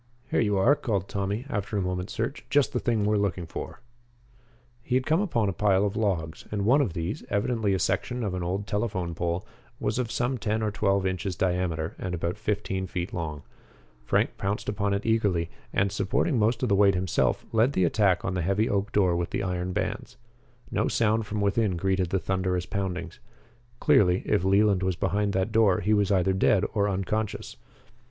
"Here you are," called Tommy, after a moment's search. "Just the thing we are looking for." He had come upon a pile of logs, and one of these, evidently a section of an old telephone pole, was of some ten or twelve inches diameter and about fifteen feet long. Frank pounced upon it eagerly, and, supporting most of the weight himself, led the attack on the heavy oak door with the iron bands. No sound from within greeted the thunderous poundings. Clearly, if Leland was behind that door, he was either dead or unconscious.